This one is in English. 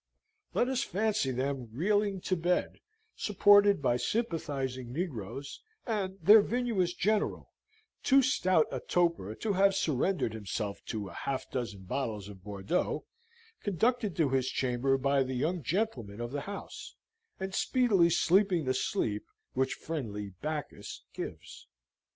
Let us fancy them reeling to bed, supported by sympathising negroes; and their vinous General, too stout a toper to have surrendered himself to a half dozen bottles of Bordeaux, conducted to his chamber by the young gentlemen of the house, and speedily sleeping the sleep which friendly Bacchus gives.